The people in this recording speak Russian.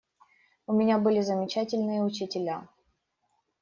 У меня были замечательные учителя.